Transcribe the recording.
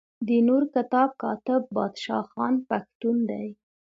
د نور کتاب کاتب بادشاه خان پښتون دی.